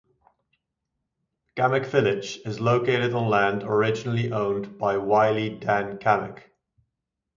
Cammack Village is located on land originally owned by Wiley Dan Cammack.